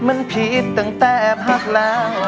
มันผิดตั้งแต่พักแล้ว